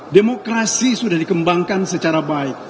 demokrasi sudah dikembangkan secara baik